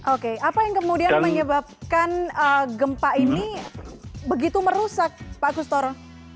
oke apa yang kemudian menyebabkan gempa ini begitu merusak pak kustoro